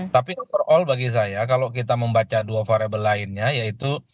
tapi overall bagi saya kalau kita membaca dua variable lainnya yaitu